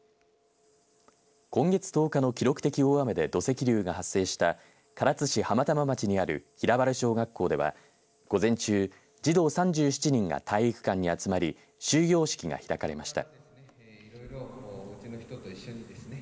今月１０日の記録的大雨で土石流が発生した唐津市浜玉町にある平原小学校では午前中児童３７人が体育館に集まり終業式が開かれました。